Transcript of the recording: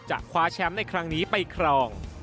คว้าแชมป์ในครั้งนี้ไปครอง